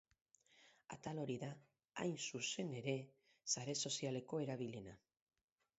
Atal hori da, hain zuzen ere, sare sozialeko erabiliena.